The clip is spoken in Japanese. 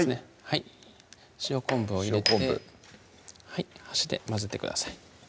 はい塩昆布を入れて箸で混ぜてください